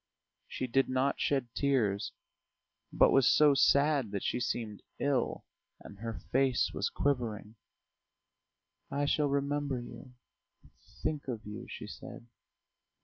She did not shed tears, but was so sad that she seemed ill, and her face was quivering. "I shall remember you ... think of you," she said.